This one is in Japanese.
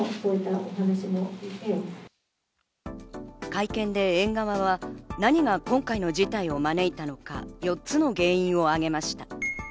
会見で園側は何が今回の事態を招いたのか、４つの原因を挙げました。